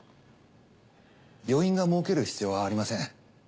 病院が儲ける必要はありません。